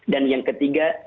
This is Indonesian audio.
dan yang ketiga